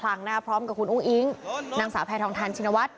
ครั้งหน้าพร้อมกับคุณอุ้งอิ๊งนางสาวแพทองทานชินวัฒน